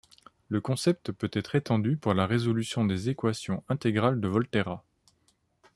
Le concept peut être étendu pour la résolution des équations intégrales de Volterra.